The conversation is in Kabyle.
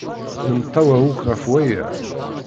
Nemtawa akk ɣef waya.